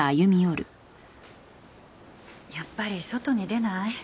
やっぱり外に出ない？